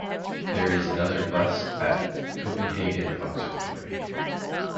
There is another bust at Copenhagen Observatory.